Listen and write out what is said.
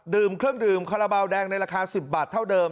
ดื่มเครื่องดื่มคาราบาลแดงในราคา๑๐บาทเท่าเดิม